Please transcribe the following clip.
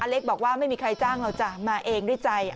เล็กบอกว่าไม่มีใครจ้างหรอกจ้ะมาเองด้วยใจ